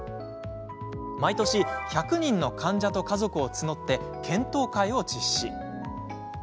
毎年１００人の患者と家族を募って、検討会を実施。